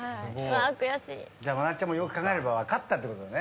じゃ真夏ちゃんもよく考えれば分かったってことだね。